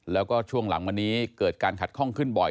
แล้วก็ช่วงหลังวันนี้เกิดการขัดข้องขึ้นบ่อย